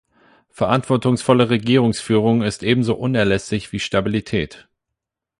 Verantwortungsvolle Regierungsführung ist ebenso unerlässlich wie Stabilität.